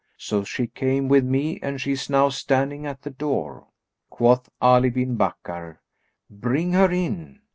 So she came with me and she is now standing at the door." Quoth Ali bin Bakkar, "Bring her in."